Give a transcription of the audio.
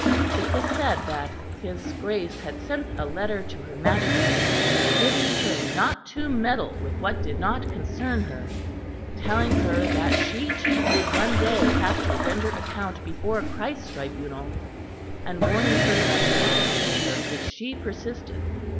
It was said that his Grace had sent a letter to her Majesty bidding her not to meddle with what did not concern her, telling her that she, too, would one day have to render account before Christ's tribunal, and warning her of God's anger if she persisted.